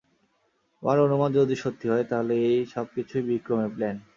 আমার অনুমান যদি সত্যি হয় তাহলে এই সবকিছুই বিক্রমের প্ল্যান।